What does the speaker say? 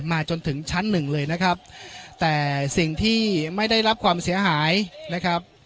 จนถึงชั้นหนึ่งเลยนะครับแต่สิ่งที่ไม่ได้รับความเสียหายนะครับ